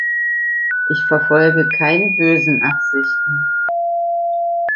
Ich verfolge keine bösen Absichten.